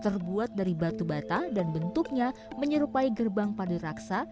terbuat dari batu batang dan bentuknya menyerupai gerbang padiraksa